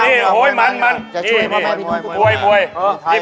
จะช่วยพ่อแม่พี่หนู